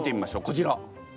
こちら。